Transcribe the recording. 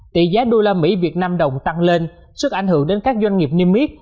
tỷ giá usd vn đồng tăng lên sức ảnh hưởng đến các doanh nghiệp niêm yết